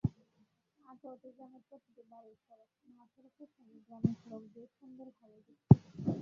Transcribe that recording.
আঠারোটি গ্রামের প্রতিটি বাড়িই সড়ক-মহাসড়কের সঙ্গে গ্রামীণ সড়ক দিয়ে সুন্দরভাবে যুক্ত।